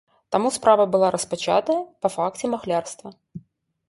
Таму справа была распачатая па факце махлярства.